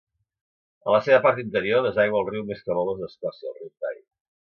En la seva part interior desaigua el riu més cabalós d'Escòcia, el riu Tay.